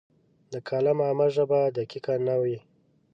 د کالم عامه ژبه دقیقه نه وي.